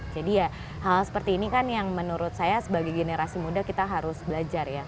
ya hal seperti ini kan yang menurut saya sebagai generasi muda kita harus belajar ya